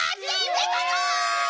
出たぞ！